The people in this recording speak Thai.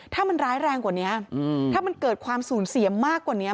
ถ้ามันร้ายแรงกว่านี้ถ้ามันเกิดความสูญเสียมากกว่านี้